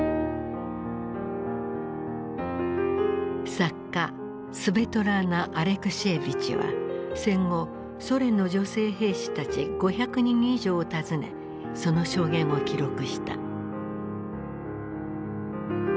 作家スヴェトラーナ・アレクシエーヴィチは戦後ソ連の女性兵士たち５００人以上を訪ねその証言を記録した。